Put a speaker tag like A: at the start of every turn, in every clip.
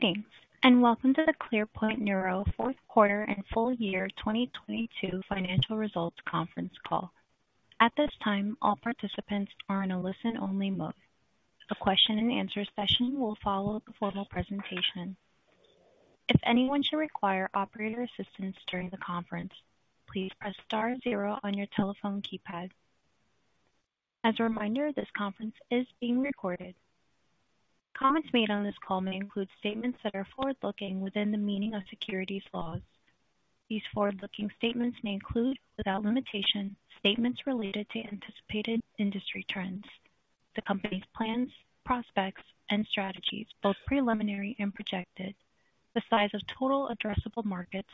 A: Greetings, welcome to the ClearPoint Neuro fourth quarter and full year 2022 financial results conference call. At this time, all participants are in a listen-only mode. A question and answer session will follow the formal presentation. If anyone should require operator assistance during the conference, please press star 0 on your telephone keypad. As a reminder, this conference is being recorded. Comments made on this call may include statements that are forward-looking within the meaning of securities laws. These forward-looking statements may include, without limitation, statements related to anticipated industry trends, the company's plans, prospects, and strategies, both preliminary and projected, the size of total addressable markets,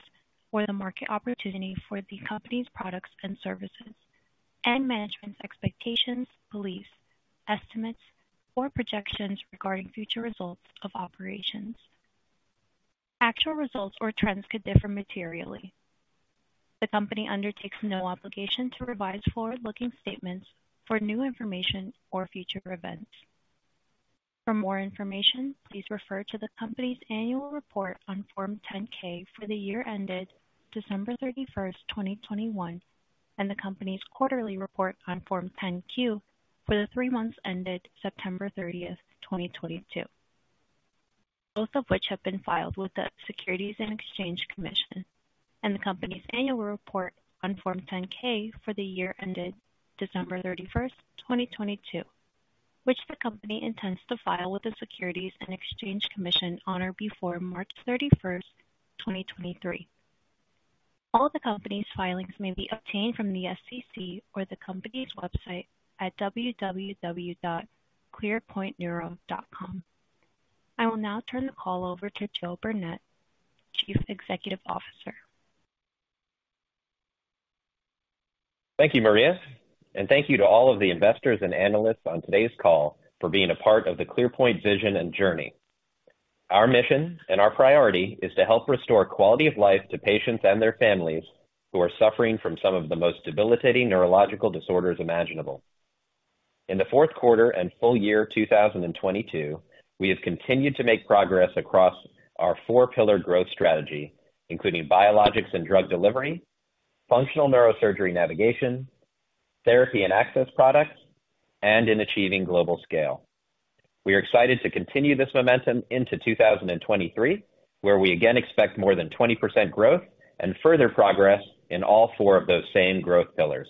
A: or the market opportunity for the company's products and services, and management's expectations, beliefs, estimates, or projections regarding future results of operations. Actual results or trends could differ materially. The company undertakes no obligation to revise forward-looking statements for new information or future events. For more information, please refer to the company's annual report on Form 10-K for the year ended December 31st, 2021, and the company's quarterly report on Form 10-Q for the 3 months ended September 30th, 2022. Both of which have been filed with the Securities and Exchange Commission, and the company's annual report on Form 10-K for the year ended December 31st, 2022, which the company intends to file with the Securities and Exchange Commission on or before March 31st, 2023. All the company's filings may be obtained from the SEC or the company's website at www.clearpointneuro.com. I will now turn the call over to Joe Burnett, Chief Executive Officer.
B: Thank you, Maria, and thank you to all of the investors and analysts on today's call for being a part of the ClearPoint vision and journey. Our mission and our priority is to help restore quality of life to patients and their families who are suffering from some of the most debilitating neurological disorders imaginable. In the fourth quarter and full year 2022, we have continued to make progress across our four pillar growth strategy, including biologics and drug delivery, functional neurosurgery navigation, therapy and access products, and in achieving global scale. We are excited to continue this momentum into 2023, where we again expect more than 20% growth and further progress in all four of those same growth pillars.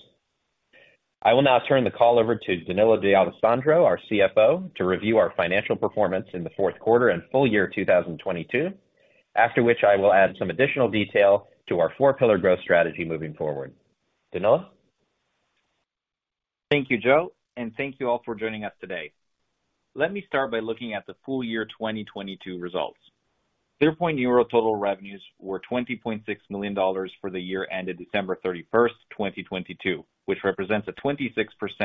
B: I will now turn the call over to Danilo D'Alessandro, our CFO, to review our financial performance in the fourth quarter and full year 2022. After which I will add some additional detail to our four pillar growth strategy moving forward. Danilo.
C: Thank you, Joe. Thank you all for joining us today. Let me start by looking at the full year 2022 results. ClearPoint Neuro's total revenues were $20.6 million for the year ended December 31, 2022, which represents a 26%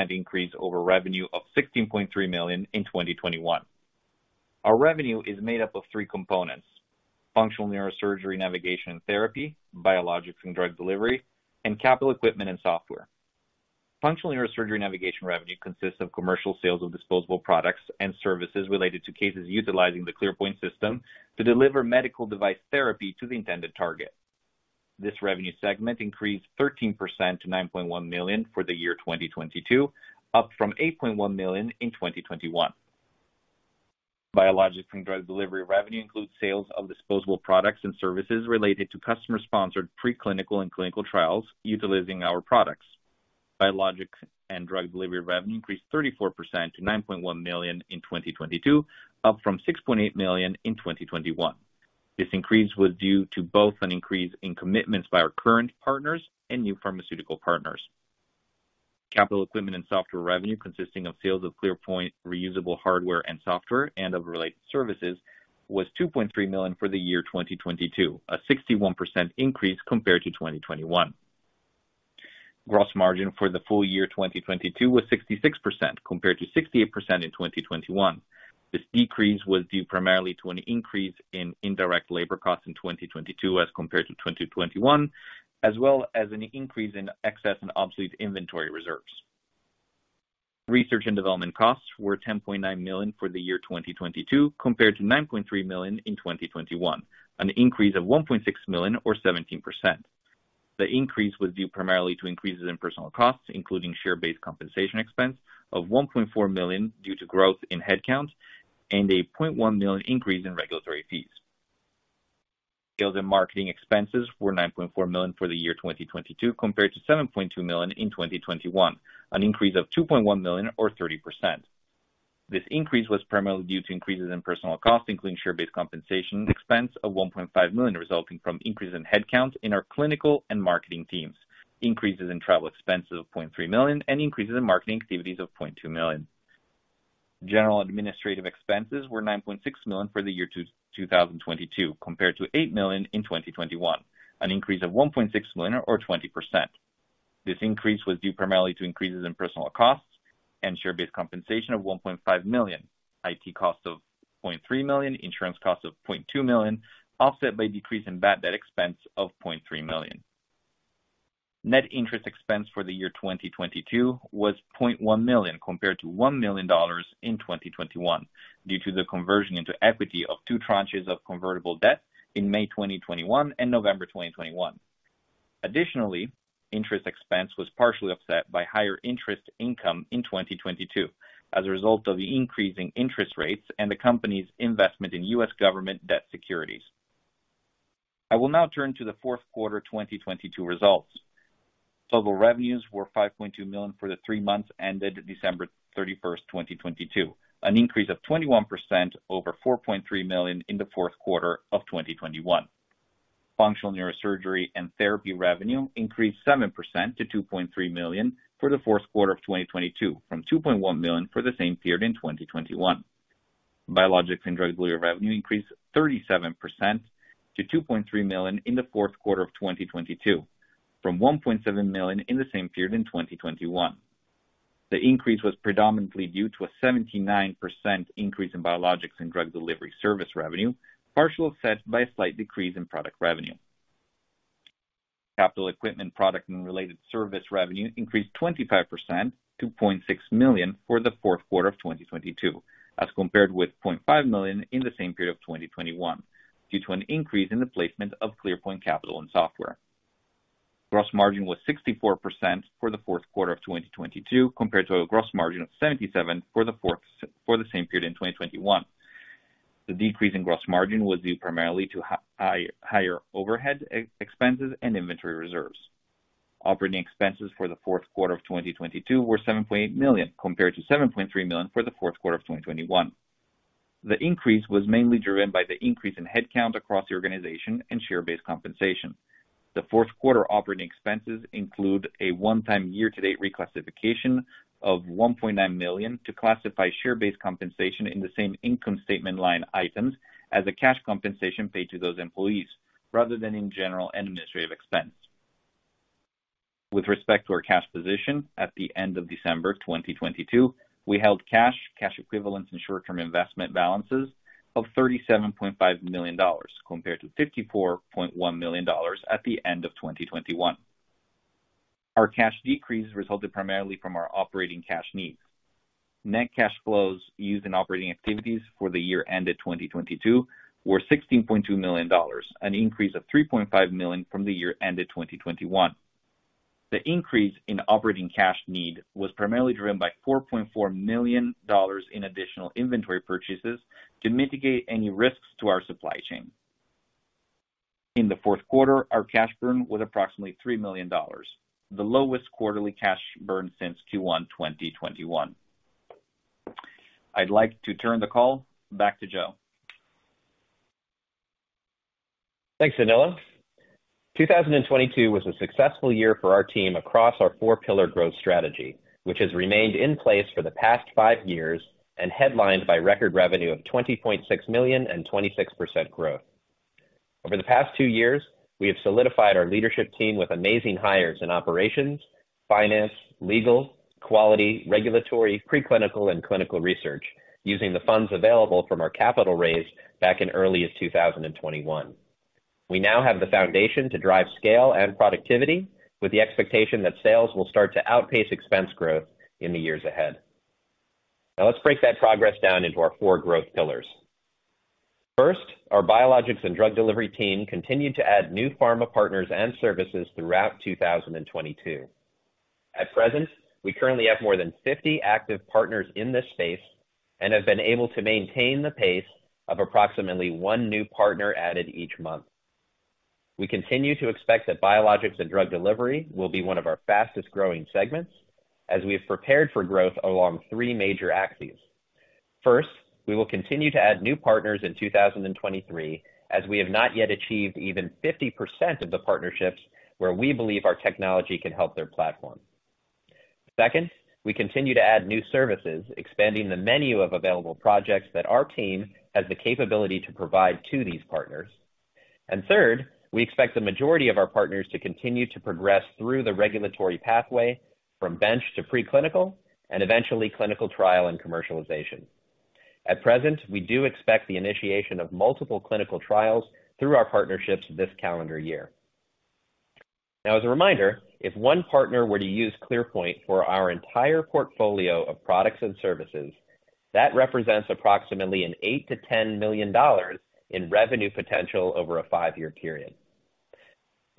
C: increase over revenue of $16.3 million in 2021. Our revenue is made up of three components: Functional Neurosurgery Navigation and Therapy, Biologics and Drug Delivery, and Capital Equipment and Software. Functional Neurosurgery Navigation revenue consists of commercial sales of disposable products and services related to cases utilizing the ClearPoint system to deliver medical device therapy to the intended target. This revenue segment increased 13% to $9.1 million for the year 2022, up from $8.1 million in 2021. Biologics & Drug Delivery revenue includes sales of disposable products and services related to customer sponsored pre-clinical and clinical trials utilizing our products. Biologics & Drug Delivery revenue increased 34% to $9.1 million in 2022, up from $6.8 million in 2021. This increase was due to both an increase in commitments by our current partners and new pharmaceutical partners. Capital equipment and software revenue consisting of sales of ClearPoint reusable hardware and software and of related services was $2.3 million for the year 2022, a 61% increase compared to 2021. Gross margin for the full year 2022 was 66% compared to 68% in 2021. This decrease was due primarily to an increase in indirect labor costs in 2022 as compared to 2021, as well as an increase in excess and obsolete inventory reserves. Research and development costs were $10.9 million for the year 2022 compared to $9.3 million in 2021, an increase of $1.6 million or 17%. The increase was due primarily to increases in personal costs, including share-based compensation expense of $1.4 million due to growth in headcount and a $0.1 million increase in regulatory fees. Sales and marketing expenses were $9.4 million for the year 2022 compared to $7.2 million in 2021, an increase of $2.1 million or 30%. This increase was primarily due to increases in personal costs, including share-based compensation expense of $1.5 million, resulting from increases in headcount in our clinical and marketing teams, increases in travel expenses of $0.3 million, and increases in marketing activities of $0.2 million. General administrative expenses were $9.6 million for the year 2022 compared to $8 million in 2021, an increase of $1.6 million or 20%. This increase was due primarily to increases in personal costs and share-based compensation of $1.5 million, IT costs of $0.3 million, insurance costs of $0.2 million, offset by a decrease in bad debt expense of $0.3 million. Net interest expense for the year 2022 was $0.1 million compared to $1 million in 2021 due to the conversion into equity of two tranches of convertible debt in May 2021 and November 2021. Interest expense was partially offset by higher interest income in 2022 as a result of the increasing interest rates and the company's investment in U.S. government debt securities. I will now turn to the fourth quarter 2022 results. Total revenues were $5.2 million for the three months ended December 31st, 2022, an increase of 21% over $4.3 million in the fourth quarter of 2021. Functional neurosurgery and therapy revenue increased 7% to $2.3 million for the fourth quarter of 2022 from $2.1 million for the same period in 2021. Biologics and Drug Delivery revenue increased 37% to $2.3 million in the fourth quarter of 2022 from $1.7 million in the same period in 2021. The increase was predominantly due to a 79% increase in Biologics and Drug Delivery service revenue, partially offset by a slight decrease in product revenue. Capital equipment, product, and related service revenue increased 25% to $0.6 million for the fourth quarter of 2022, as compared with $0.5 million in the same period of 2021 due to an increase in the placement of ClearPoint capital and software. Gross margin was 64% for the fourth quarter of 2022 compared to a gross margin of 77% for the same period in 2021. The decrease in gross margin was due primarily to higher overhead expenses and inventory reserves. Operating expenses for the fourth quarter of 2022 were $7.8 million compared to $7.3 million for the fourth quarter of 2021. The increase was mainly driven by the increase in headcount across the organization and share-based compensation. The fourth quarter operating expenses include a one-time year-to-date reclassification of $1.9 million to classify share-based compensation in the same income statement line items as the cash compensation paid to those employees rather than in general and administrative expense. With respect to our cash position, at the end of December 2022, we held cash equivalents, and short-term investment balances of $37.5 million compared to $54.1 million at the end of 2021. Our cash decrease resulted primarily from our operating cash needs. Net cash flows used in operating activities for the year ended 2022 were $16.2 million, an increase of $3.5 million from the year ended 2021. The increase in operating cash need was primarily driven by $4.4 million in additional inventory purchases to mitigate any risks to our supply chain. In the fourth quarter, our cash burn was approximately $3 million, the lowest quarterly cash burn since Q1 2021. I'd like to turn the call back to Joe.
B: Thanks, Danilo. 2022 was a successful year for our team across our four pillar growth strategy, which has remained in place for the past 5 years and headlined by record revenue of $20.6 million and 26% growth. Over the past 2 years, we have solidified our leadership team with amazing hires in operations, finance, legal, quality, regulatory, preclinical, and clinical research using the funds available from our capital raise back in early 2021. We now have the foundation to drive scale and productivity with the expectation that sales will start to outpace expense growth in the years ahead. Let's break that progress down into our four growth pillars. First, our Biologics & Drug Delivery team continued to add new pharma partners and services throughout 2022. At present, we currently have more than 50 active partners in this space and have been able to maintain the pace of approximately 1 new partner added each month. We continue to expect that Biologics and Drug Delivery will be one of our fastest-growing segments as we have prepared for growth along 3 major axes. First, we will continue to add new partners in 2023 as we have not yet achieved even 50% of the partnerships where we believe our technology can help their platform. Second, we continue to add new services, expanding the menu of available projects that our team has the capability to provide to these partners. Third, we expect the majority of our partners to continue to progress through the regulatory pathway from bench to preclinical and eventually clinical trial and commercialization. At present, we do expect the initiation of multiple clinical trials through our partnerships this calendar year. Now as a reminder, if one partner were to use ClearPoint for our entire portfolio of products and services, that represents approximately $8 million-$10 million in revenue potential over a 5-year period.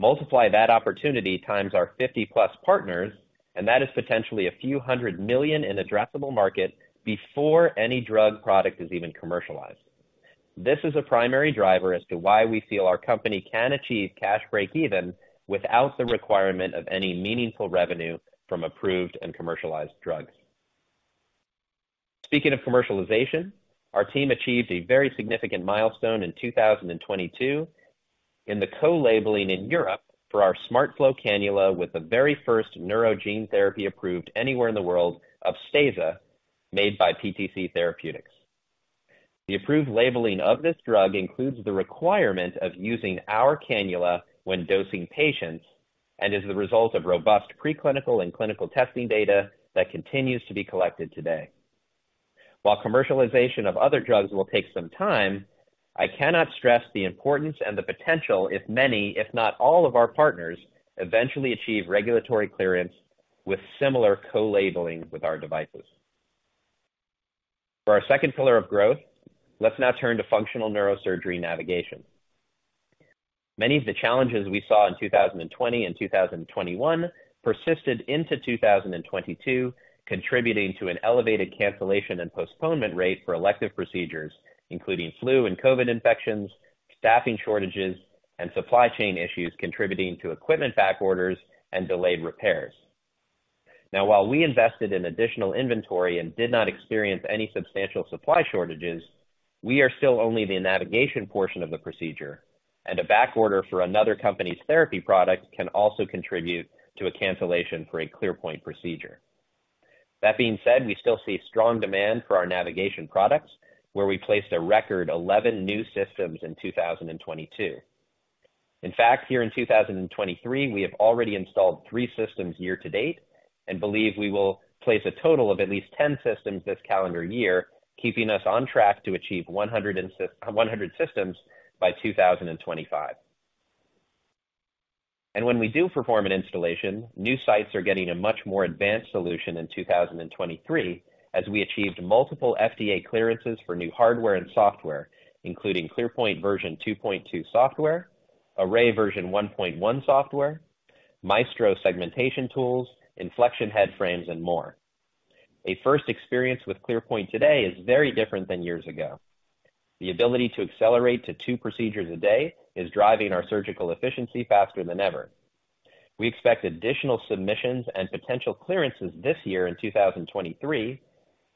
B: Multiply that opportunity times our 50-plus partners, that is potentially a few hundred million in addressable market before any drug product is even commercialized. This is a primary driver as to why we feel our company can achieve cash breakeven without the requirement of any meaningful revenue from approved and commercialized drugs. Speaking of commercialization, our team achieved a very significant milestone in 2022 in the co-labeling in Europe for our SmartFlow cannula with the very first neuro gene therapy approved anywhere in the world of Upstaza made by PTC Therapeutics. The approved labeling of this drug includes the requirement of using our cannula when dosing patients and is the result of robust preclinical and clinical testing data that continues to be collected today. While commercialization of other drugs will take some time, I cannot stress the importance and the potential if many, if not all of our partners eventually achieve regulatory clearance with similar co-labeling with our devices. For our second pillar of growth, let's now turn to functional neurosurgery navigation. Many of the challenges we saw in 2020 and 2021 persisted into 2022, contributing to an elevated cancellation and postponement rate for elective procedures, including flu and Covid infections, staffing shortages, and supply chain issues contributing to equipment back orders and delayed repairs. While we invested in additional inventory and did not experience any substantial supply shortages, we are still only the navigation portion of the procedure, and a back order for another company's therapy product can also contribute to a cancellation for a ClearPoint procedure. That being said, we still see strong demand for our navigation products, where we placed a record 11 new systems in 2022. In fact, here in 2023, we have already installed 3 systems year to date and believe we will place a total of at least 10 systems this calendar year, keeping us on track to achieve 100 systems by 2025. When we do perform an installation, new sites are getting a much more advanced solution in 2023, as we achieved multiple FDA clearances for new hardware and software, including ClearPoint version 2.2 software, Array version 1.1 software, Maestro segmentation tools, SmartFrame head frames and more. A first experience with ClearPoint today is very different than years ago. The ability to accelerate to 2 procedures a day is driving our surgical efficiency faster than ever. We expect additional submissions and potential clearances this year in 2023,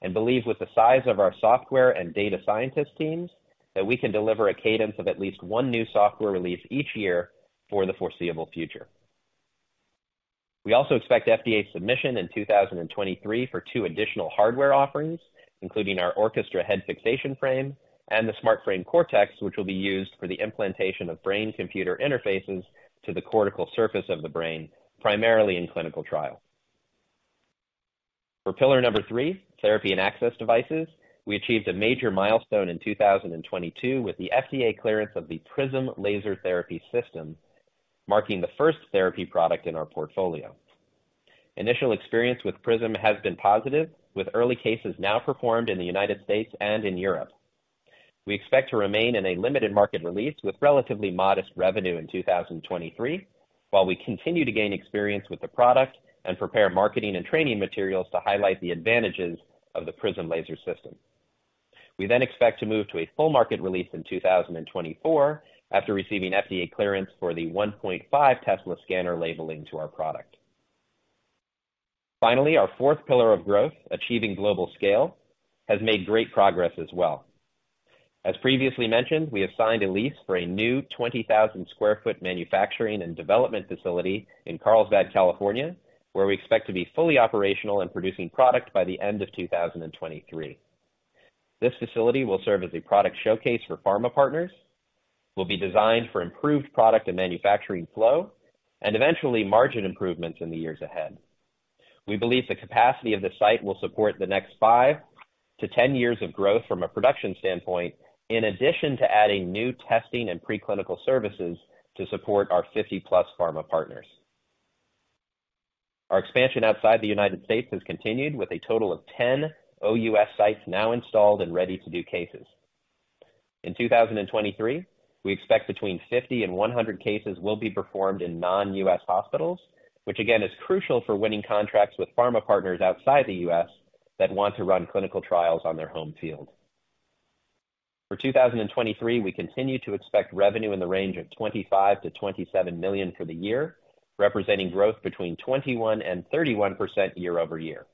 B: and believe with the size of our software and data scientist teams that we can deliver a cadence of at least 1 new software release each year for the foreseeable future. We also expect FDA submission in 2023 for two additional hardware offerings, including our Orchestra head fixation frame and the SmartFrame Cortex, which will be used for the implantation of brain-computer interfaces to the cortical surface of the brain, primarily in clinical trial. For pillar number three, therapy and access devices. We achieved a major milestone in 2022 with the FDA clearance of the Prism laser therapy system, marking the first therapy product in our portfolio. Initial experience with Prism has been positive, with early cases now performed in the United States and in Europe. We expect to remain in a limited market release with relatively modest revenue in 2023, while we continue to gain experience with the product and prepare marketing and training materials to highlight the advantages of the Prism laser system. We then expect to move to a full market release in 2024 after receiving FDA clearance for the 1.5 Tesla scanner labeling to our product. Finally, our fourth pillar of growth, achieving global scale, has made great progress as well. As previously mentioned, we have signed a lease for a new 20,000 sq ft manufacturing and development facility in Carlsbad, California, where we expect to be fully operational and producing product by the end of 2023. This facility will serve as a product showcase for pharma partners, will be designed for improved product and manufacturing flow, and eventually margin improvements in the years ahead. We believe the capacity of the site will support the next 5-10 years of growth from a production standpoint, in addition to adding new testing and preclinical services to support our 50-plus pharma partners. Our expansion outside the U.S. has continued with a total of 10 OUS sites now installed and ready to do cases. In 2023, we expect between 50 and 100 cases will be performed in non-U.S. hospitals, which again is crucial for winning contracts with pharma partners outside the U.S. that want to run clinical trials on their home field. For 2023, we continue to expect revenue in the range of $25 million-$27 million for the year, representing growth between 21% and 31% year-over-year.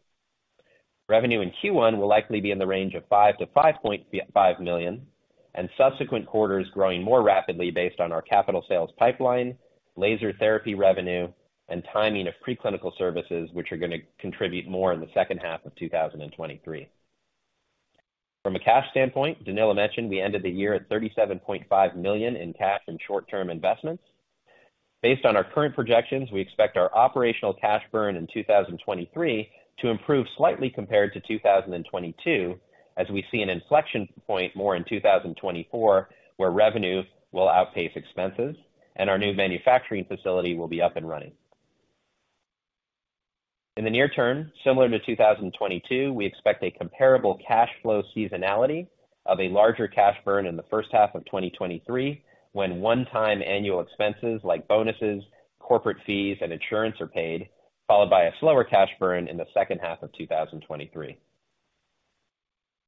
B: Revenue in Q1 will likely be in the range of $5 million-$5.5 million, and subsequent quarters growing more rapidly based on our capital sales pipeline, laser therapy revenue and timing of pre-clinical services, which are going to contribute more in the second half of 2023. From a cash standpoint, Danilo mentioned we ended the year at $37.5 million in cash and short-term investments. Based on our current projections, we expect our operational cash burn in 2023 to improve slightly compared to 2022, as we see an inflection point more in 2024, where revenue will outpace expenses and our new manufacturing facility will be up and running. In the near term, similar to 2022, we expect a comparable cash flow seasonality of a larger cash burn in the first half of 2023, when one-time annual expenses like bonuses, corporate fees, and insurance are paid, followed by a slower cash burn in the second half of 2023.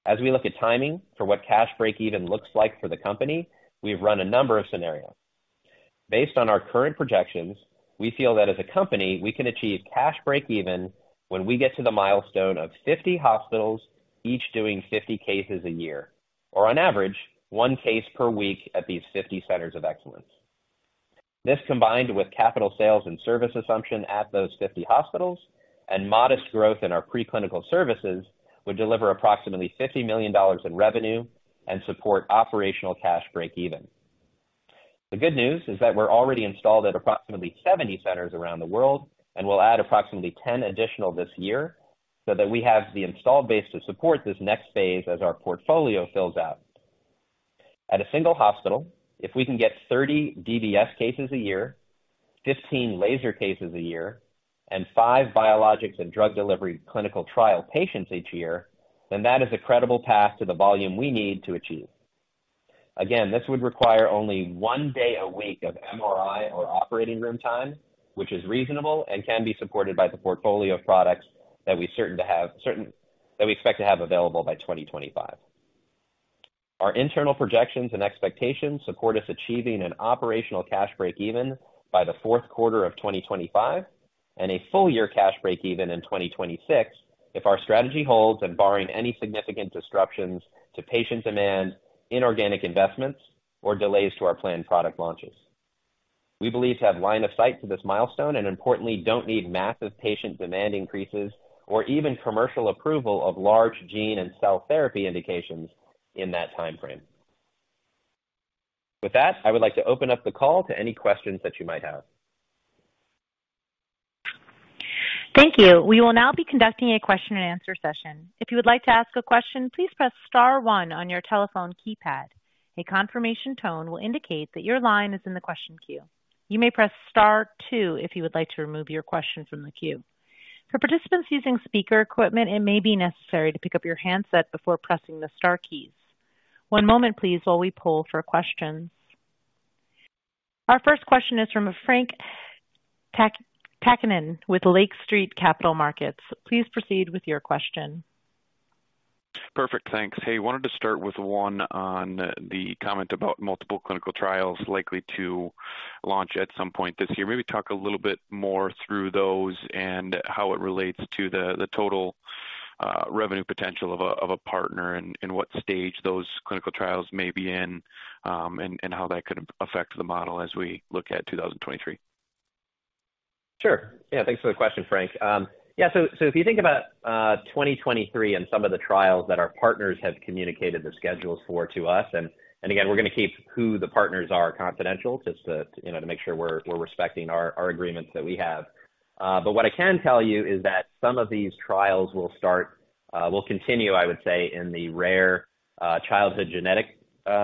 B: As we look at timing for what cash breakeven looks like for the company, we've run a number of scenarios. Based on our current projections, we feel that as a company, we can achieve cash breakeven when we get to the milestone of 50 hospitals, each doing 50 cases a year. On average, one case per week at these 50 centers of excellence. This, combined with capital sales and service assumption at those 50 hospitals and modest growth in our pre-clinical services, would deliver approximately $50 million in revenue and support operational cash breakeven. The good news is that we're already installed at approximately 70 centers around the world, and we'll add approximately 10 additional this year so that we have the installed base to support this next phase as our portfolio fills out. At a single hospital, if we can get 30 DBS cases a year, 15 laser cases a year, and 5 biologics and drug delivery clinical trial patients each year, then that is a credible path to the volume we need to achieve. Again, this would require only one day a week of MRI or operating room time, which is reasonable and can be supported by the portfolio of products that we expect to have available by 2025. Our internal projections and expectations support us achieving an operational cash breakeven by the fourth quarter of 2025 and a full year cash breakeven in 2026 if our strategy holds and barring any significant disruptions to patient demand, inorganic investments or delays to our planned product launches. We believe to have line of sight to this milestone and importantly, don't need massive patient demand increases or even commercial approval of large gene and cell therapy indications in that timeframe. I would like to open up the call to any questions that you might have.
A: Thank you. We will now be conducting a question-and-answer session. If you would like to ask a question, please press star one on your telephone keypad. A confirmation tone will indicate that your line is in the question queue. You may press star two if you would like to remove your question from the queue. For participants using speaker equipment, it may be necessary to pick up your handset before pressing the star keys. One moment please while we pull for questions. Our first question is from Frank Takkinen with Lake Street Capital Markets. Please proceed with your question.
D: Perfect. Thanks. Hey, wanted to start with one on the comment about multiple clinical trials likely to launch at some point this year. Maybe talk a little bit more through those and how it relates to the total revenue potential of a partner and what stage those clinical trials may be in and how that could affect the model as we look at 2023.
B: Sure. Thanks for the question, Frank. If you think about 2023 and some of the trials that our partners have communicated the schedules for to us, and again, we're gonna keep who the partners are confidential just to, you know, to make sure we're respecting our agreements that we have. What I can tell you is that some of these trials will start, will continue, I would say, in the rare, childhood genetic,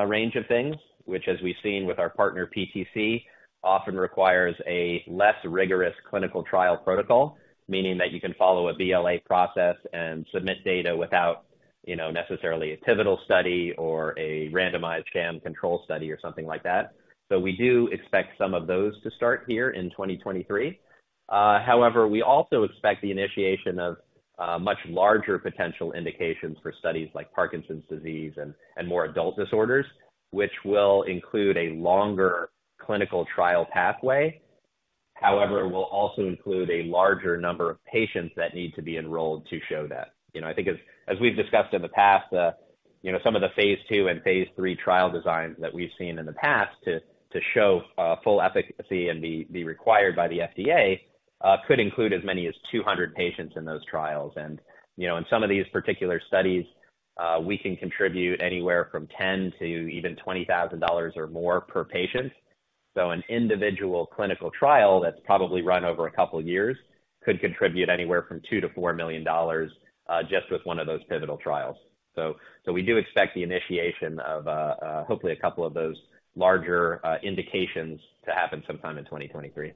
B: range of things, which as we've seen with our partner, PTC, often requires a less rigorous clinical trial protocol, meaning that you can follow a BLA process and submit data without, you know, necessarily a pivotal study or a randomized sham control study or something like that. We do expect some of those to start here in 2023. However, we also expect the initiation of much larger potential indications for studies like Parkinson's disease and more adult disorders, which will include a longer clinical trial pathway. However, it will also include a larger number of patients that need to be enrolled to show that. You know, I think as we've discussed in the past, you know, some of the phase 2 and phase 3 trial designs that we've seen in the past to show full efficacy and be required by the FDA could include as many as 200 patients in those trials. You know, in some of these particular studies, we can contribute anywhere from $10,000 to even $20,000 or more per patient. An individual clinical trial that's probably run over a couple of years could contribute anywhere from $2 million-$4 million, just with one of those pivotal trials. We do expect the initiation of, hopefully a couple of those larger indications to happen sometime in 2023.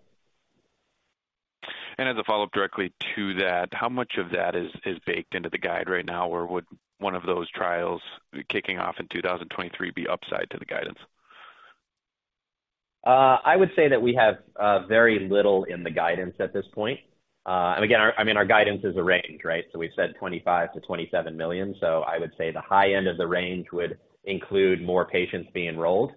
D: As a follow-up directly to that, how much of that is baked into the guide right now? Would one of those trials kicking off in 2023 be upside to the guidance?
B: I would say that we have very little in the guidance at this point. Again, I mean, our guidance is a range, right? We've said $25 million-$27 million. I would say the high end of the range would include more patients being enrolled.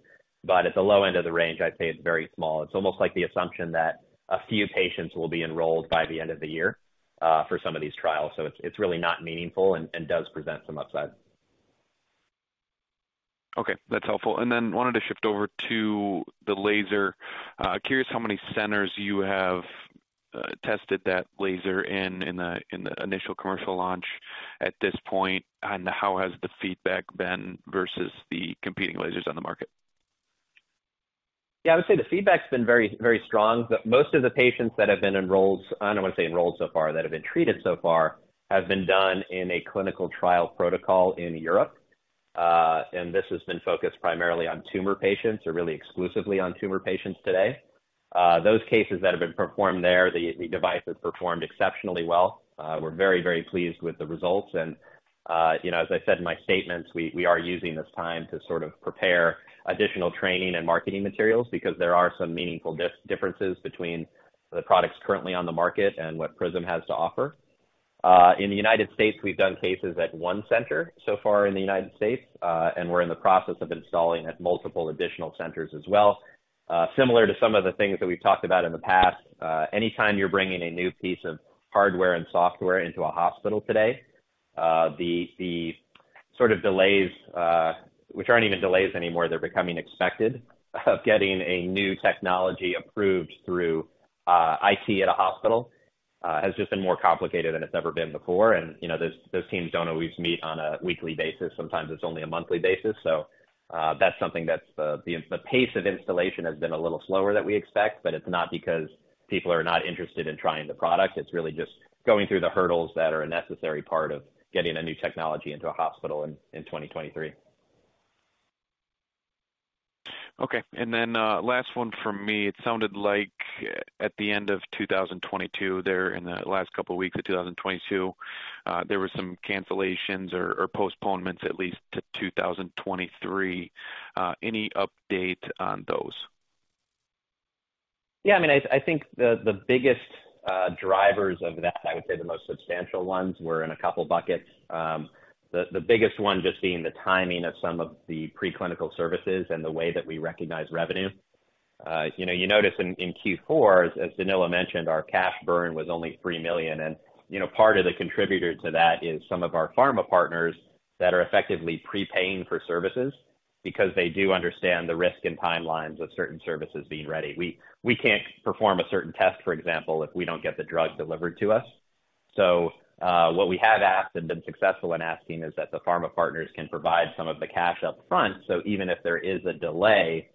B: At the low end of the range, I'd say it's very small. It's almost like the assumption that a few patients will be enrolled by the end of the year for some of these trials. It's really not meaningful and does present some upside.
D: Okay, that's helpful. Wanted to shift over to the laser. Curious how many centers you have tested that laser in the initial commercial launch at this point, and how has the feedback been versus the competing lasers on the market?
B: Yeah, I would say the feedback's been very, very strong. Most of the patients that have been enrolled, I don't want to say enrolled so far, that have been treated so far, have been done in a clinical trial protocol in Europe. This has been focused primarily on tumor patients or really exclusively on tumor patients today. Those cases that have been performed there, the device has performed exceptionally well. We're very, very pleased with the results. You know, as I said in my statements, we are using this time to sort of prepare additional training and marketing materials because there are some meaningful differences between the products currently on the market and what Prism has to offer. In the United States, we've done cases at one center so far in the United States, and we're in the process of installing at multiple additional centers as well. Similar to some of the things that we've talked about in the past, anytime you're bringing a new piece of hardware and software into a hospital today, the sort of delays, which aren't even delays anymore, they're becoming expected of getting a new technology approved through IT at a hospital has just been more complicated than it's ever been before. You know, those teams don't always meet on a weekly basis. Sometimes it's only a monthly basis. That's something that's the pace of installation has been a little slower than we expect, but it's not because people are not interested in trying the product. It's really just going through the hurdles that are a necessary part of getting a new technology into a hospital in 2023.
D: Okay. last one from me. It sounded like at the end of 2022, there in the last couple of weeks of 2022, there were some cancellations or postponements at least to 2023. any update on those?
B: Yeah, I mean, I think the biggest drivers of that, I would say the most substantial ones were in a couple buckets. The biggest one just being the timing of some of the preclinical services and the way that we recognize revenue. You know, you notice in Q4, as Danilo mentioned, our cash burn was only $3 million. You know, part of the contributor to that is some of our pharma partners that are effectively prepaying for services because they do understand the risk and timelines of certain services being ready. We can't perform a certain test, for example, if we don't get the drug delivered to us. What we have asked and been successful in asking is that the pharma partners can provide some of the cash up front, so even if there is a delay,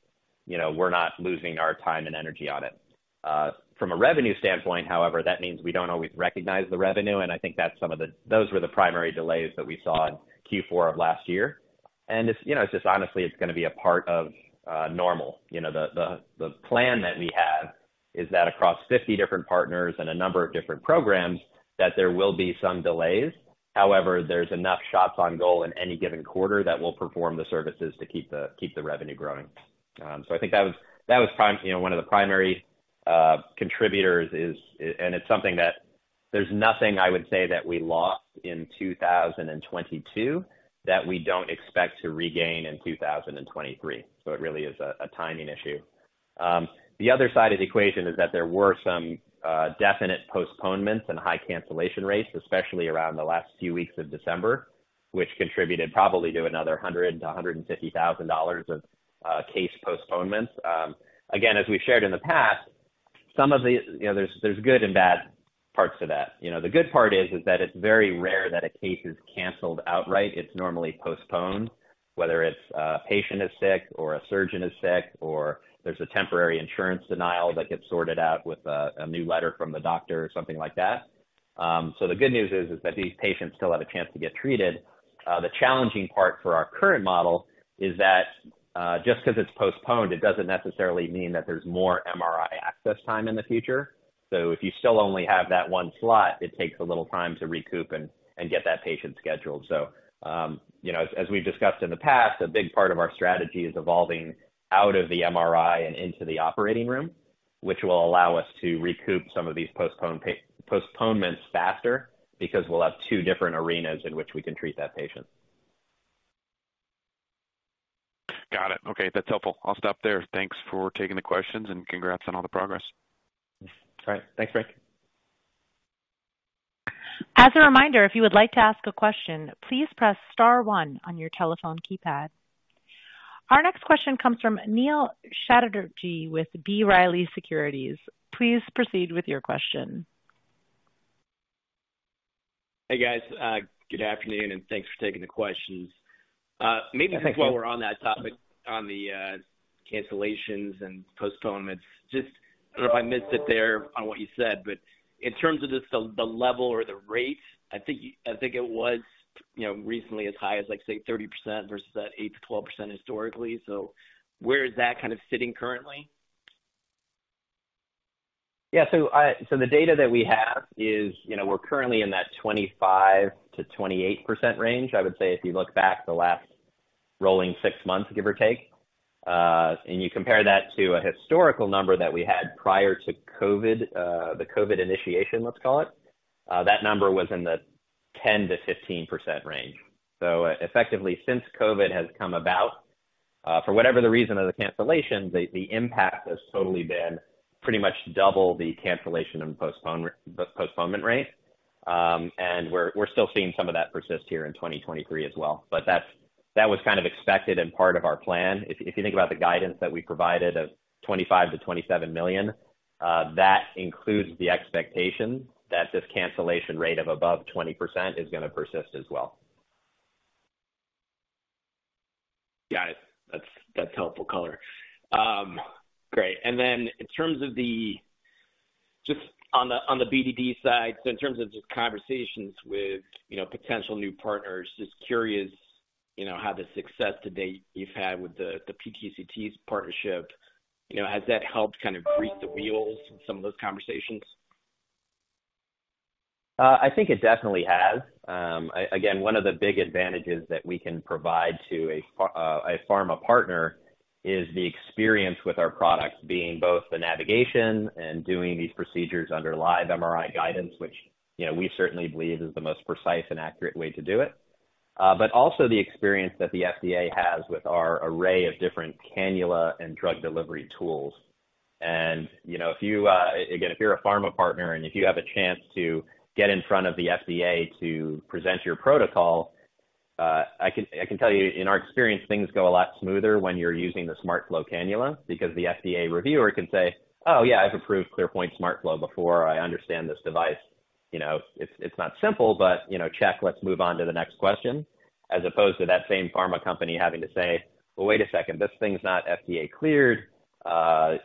B: you know, we're not losing our time and energy on it. From a revenue standpoint, however, that means we don't always recognize the revenue, and I think that's some of those were the primary delays that we saw in Q4 of last year. It's, you know, it's just honestly, it's gonna be a part of normal. You know, the, the plan that we have is that across 50 different partners and a number of different programs, that there will be some delays. However, there's enough shots on goal in any given quarter that will perform the services to keep the revenue growing. I think that was you know, one of the primary contributors is. It's something that there's nothing I would say that we lost in 2022 that we don't expect to regain in 2023. It really is a timing issue. The other side of the equation is that there were some definite postponements and high cancellation rates, especially around the last few weeks of December, which contributed probably to another $100,000-$150,000 of case postponements. Again, as we've shared in the past, some of the. You know, there's good and bad parts to that. You know, the good part is that it's very rare that a case is canceled outright. It's normally postponed, whether it's a patient is sick or a surgeon is sick, or there's a temporary insurance denial that gets sorted out with a new letter from the doctor or something like that. The good news is that these patients still have a chance to get treated. The challenging part for our current model is that, just 'cause it's postponed, it doesn't necessarily mean that there's more MRI access time in the future. If you still only have that one slot, it takes a little time to recoup and get that patient scheduled. You know, as we've discussed in the past, a big part of our strategy is evolving out of the MRI and into the operating room, which will allow us to recoup some of these postponements faster because we'll have two different arenas in which we can treat that patient.
D: Got it. Okay, that's helpful. I'll stop there. Thanks for taking the questions and congrats on all the progress.
B: All right. Thanks, Frank.
A: As a reminder, if you would like to ask a question, please press star one on your telephone keypad. Our next question comes from Neil Chatterji with B. Riley Securities. Please proceed with your question.
E: Hey, guys. Good afternoon. Thanks for taking the questions.
B: Yeah, thanks.
E: Maybe while we're on that topic on the cancellations and postponements, just I don't know if I missed it there on what you said, but in terms of just the level or the rate, I think it was, you know, recently as high as, like, say, 30% versus that 8%-12% historically. Where is that kind of sitting currently?
B: Yeah. The data that we have is, you know, we're currently in that 25%-28% range, I would say, if you look back the last rolling 6 months, give or take. You compare that to a historical number that we had prior to COVID, the COVID initiation, let's call it, that number was in the 10%-15% range. Effectively, since COVID has come about, for whatever the reason of the cancellation, the impact has totally been pretty much double the cancellation and postponement rate. We're still seeing some of that persist here in 2023 as well. But that was kind of expected and part of our plan. If you think about the guidance that we provided of $25 million-$27 million, that includes the expectation that this cancellation rate of above 20% is gonna persist as well.
E: Got it. That's helpful color. Great. Just on the BDD side, in terms of just conversations with, you know, potential new partners, just curious, you know, how the success to date you've had with the PTC partnership, you know, has that helped kind of grease the wheels in some of those conversations?
B: I think it definitely has. Again, one of the big advantages that we can provide to a pharma partner is the experience with our products being both the navigation and doing these procedures under live MRI guidance, which, you know, we certainly believe is the most precise and accurate way to do it. Also the experience that the FDA has with our array of different cannula and drug delivery tools. You know, if you, again, if you're a pharma partner, and if you have a chance to get in front of the FDA to present your protocol, I can tell you in our experience, things go a lot smoother when you're using the SmartFlow cannula because the FDA reviewer can say, "Oh, yeah, I've approved ClearPoint SmartFlow before. I understand this device." You know, it's not simple, but, you know, check, let's move on to the next question. As opposed to that same pharma company having to say, "Well, wait a second, this thing's not FDA cleared.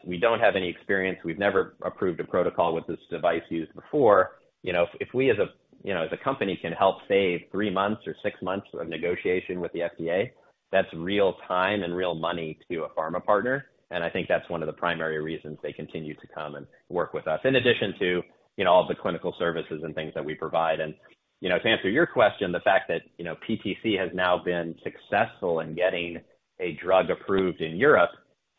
B: We don't have any experience. We've never approved a protocol with this device used before." You know, if we as a, you know, as a company can help save three months or six months of negotiation with the FDA, that's real time and real money to a pharma partner, and I think that's one of the primary reasons they continue to come and work with us, in addition to, you know, all the clinical services and things that we provide. You know, to answer your question, the fact that, you know, PTC has now been successful in getting a drug approved in Europe,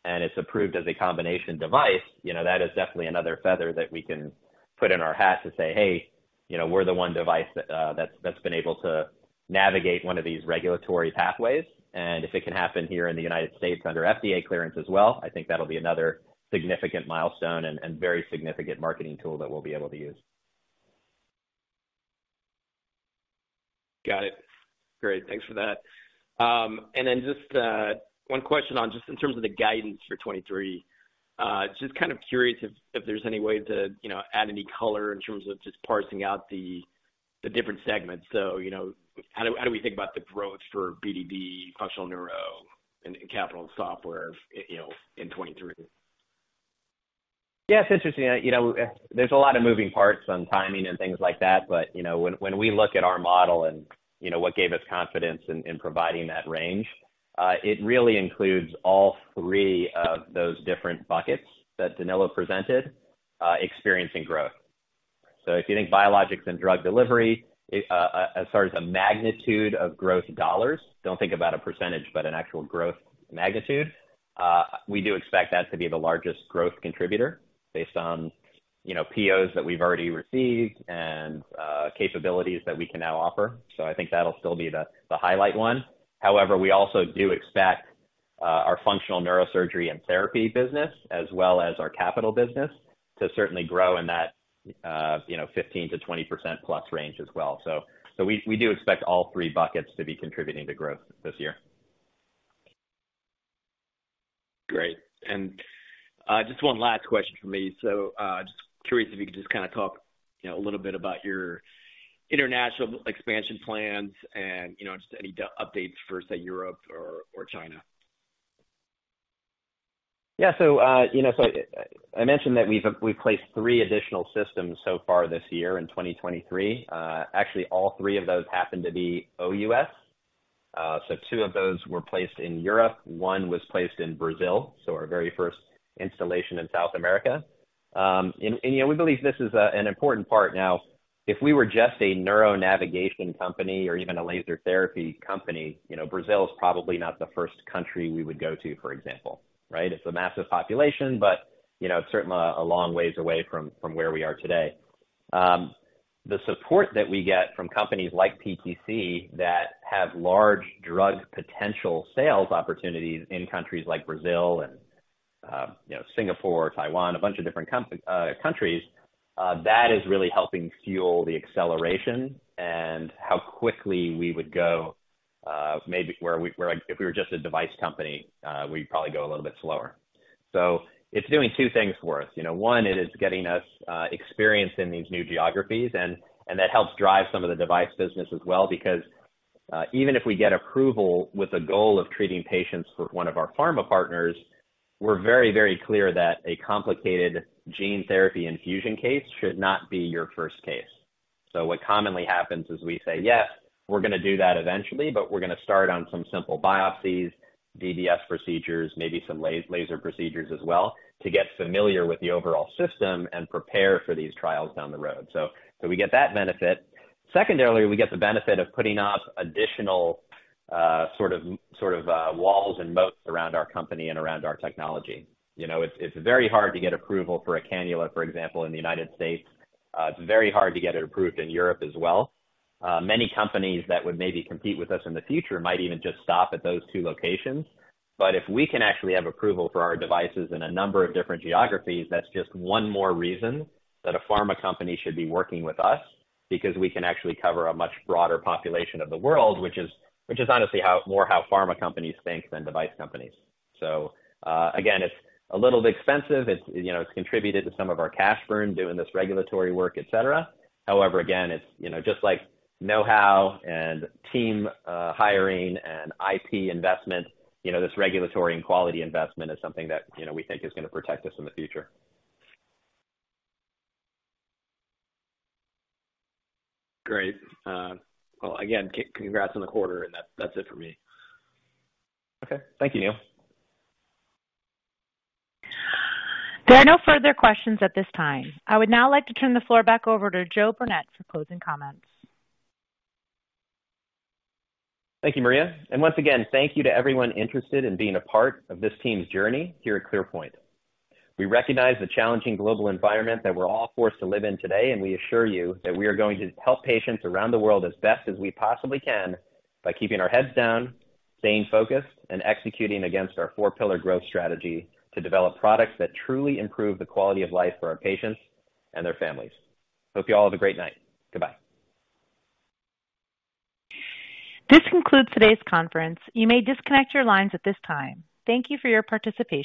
B: and it's approved as a combination product, you know, that is definitely another feather that we can put in our hat to say, "Hey, you know, we're the one device that's been able to navigate one of these regulatory pathways." If it can happen here in the United States under FDA clearance as well, I think that'll be another significant milestone and very significant marketing tool that we'll be able to use.
E: Got it. Great. Thanks for that. Just one question on just in terms of the guidance for 2023. Just kind of curious if there's any way to, you know, add any color in terms of just parsing out the different segments. How do we think about the growth for BDD, functional neuro, and capital software, you know, in 2023?
B: Yeah, it's interesting. You know, there's a lot of moving parts on timing and things like that. You know, when we look at our model and, you know, what gave us confidence in providing that range, it really includes all three of those different buckets that Danilo presented, experiencing growth. If you think biologics and drug delivery, as far as the magnitude of growth dollars, don't think about a percentage, but an actual growth magnitude, we do expect that to be the largest growth contributor based on, you know, POs that we've already received and capabilities that we can now offer. I think that'll still be the highlight one. We also do expect our functional neurosurgery and therapy business as well as our capital business to certainly grow in that, you know, 15%-20%+ range as well. We do expect all three buckets to be contributing to growth this year.
E: Great. Just one last question from me. Just curious if you could just kinda talk, you know, a little bit about your international expansion plans and, you know, just any updates for, say, Europe or China.
B: Yeah. I mentioned that we've placed three additional systems so far this year in 2023. Actually, all three of those happen to be OUS. Two of those were placed in Europe, one was placed in Brazil, so our very first installation in South America. You know, we believe this is an important part. Now, if we were just a neuro navigation company or even a laser therapy company, you know, Brazil is probably not the first country we would go to, for example, right? It's a massive population, but, you know, it's certainly a long ways away from where we are today. The support that we get from companies like PTC that have large drug potential sales opportunities in countries like Brazil and, you know, Singapore, Taiwan, a bunch of different countries, that is really helping fuel the acceleration and how quickly we would go, maybe where if we were just a device company, we'd probably go a little bit slower. It's doing two things for us. You know, one, it is getting us experience in these new geographies, and that helps drive some of the device business as well. Even if we get approval with a goal of treating patients for one of our pharma partners, we're very, very clear that a complicated gene therapy infusion case should not be your first case. What commonly happens is we say, "Yes, we're gonna do that eventually, but we're gonna start on some simple biopsies, DBS procedures, maybe some laser procedures as well, to get familiar with the overall system and prepare for these trials down the road." We get that benefit. Secondarily, we get the benefit of putting up additional, sort of, walls and moats around our company and around our technology. You know, it's very hard to get approval for a cannula, for example, in the United States. It's very hard to get it approved in Europe as well. Many companies that would maybe compete with us in the future might even just stop at those two locations. If we can actually have approval for our devices in a number of different geographies, that's just one more reason that a pharma company should be working with us, because we can actually cover a much broader population of the world, which is honestly more how pharma companies think than device companies. Again, it's a little bit expensive. It's, you know, it's contributed to some of our cash burn doing this regulatory work, et cetera. However, again, it's, you know, just like know-how and team, hiring and IP investment, you know, this regulatory and quality investment is something that, you know, we think is gonna protect us in the future.
E: Great. Well, again, congrats on the quarter. That's, that's it for me.
B: Okay. Thank you, Neil.
A: There are no further questions at this time. I would now like to turn the floor back over to Joe Burnett for closing comments.
B: Thank you, Maria. Once again, thank you to everyone interested in being a part of this team's journey here at ClearPoint. We recognize the challenging global environment that we're all forced to live in today. We assure you that we are going to help patients around the world as best as we possibly can by keeping our heads down, staying focused, and executing against our four-pillar growth strategy to develop products that truly improve the quality of life for our patients and their families. Hope you all have a great night. Goodbye.
A: This concludes today's conference. You may disconnect your lines at this time. Thank you for your participation.